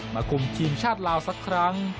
คุมทีมชาติลาวสักครั้ง